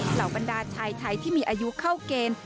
เหล่าบรรดาชายไทยที่มีอายุเข้าเกณฑ์